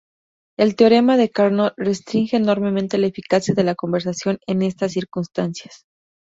El teorema de Carnot restringe enormemente la eficacia de la conversión en estas circunstancias.